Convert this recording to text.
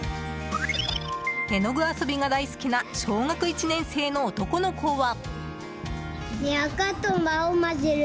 絵の具遊びが大好きな小学１年生の男の子は。